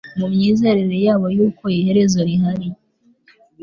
mu myizerere yabo y'uko iherezo rihari